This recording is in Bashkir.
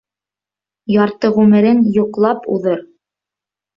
Ярты ғүмерең йоҡлап уҙыр.